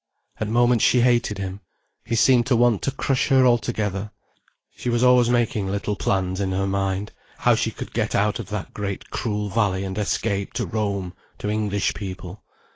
At moments she hated him. He seemed to want to crush her altogether. She was always making little plans in her mind—how she could get out of that great cruel valley and escape to Rome, to English people.